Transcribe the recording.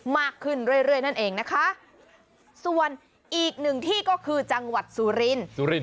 มากขึ้นเรื่อยเรื่อยนั่นเองนะคะส่วนอีกหนึ่งที่ก็คือจังหวัดสุรินทร์